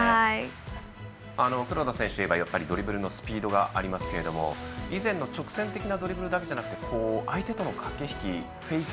黒田選手といえばやっぱりドリブルのスピードがありますけれども以前の直線的なドリブルだけじゃなく相手との駆け引き、フェイク。